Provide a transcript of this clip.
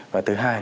và thứ hai